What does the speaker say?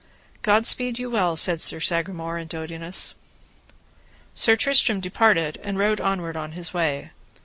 God speed you well, said Sir Sagramore and Dodinas. Sir Tristram departed and rode onward on his way.